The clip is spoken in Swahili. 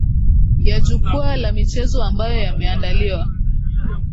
ya jukwaa la michezo ambayo yameandaliwa